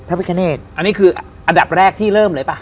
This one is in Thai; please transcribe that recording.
อันนี้คืออันดับแรกที่เริ่มเลยป่ะ